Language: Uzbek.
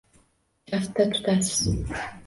Kaftda tutasiz